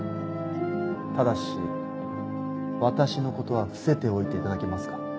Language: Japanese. ただし私のことは伏せておいていただけますか。